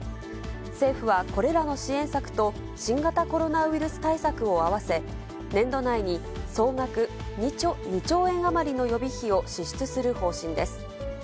政府はこれらの支援策と、新型コロナウイルス対策をあわせ、年度内に総額２兆円余りの予備費